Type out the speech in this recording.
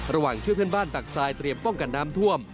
ระหว่างช่วยเพื่อนบ้านตักทรายเตรียมป้องกันน้ำท่วม